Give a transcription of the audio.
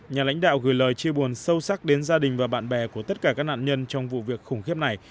nhà lãnh đạo gửi lời chia buồn sâu sắc đến gia đình và bạn bè của tất cả các nạn nhân trong vụ việc khủng khiếp này